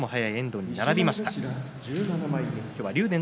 史上最も早い遠藤に並びました。